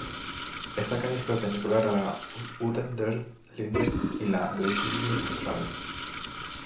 Esta calle es perpendicular a la Unter den Linden y la Leipziger Straße.